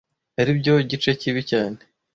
aribyo gice kibi cyane.